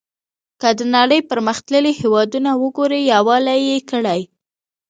که د نړۍ پرمختللي هېوادونه وګورو یووالی یې کړی.